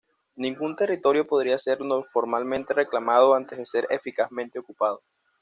Ningún territorio podría ser formalmente reclamado antes de ser eficazmente ocupado.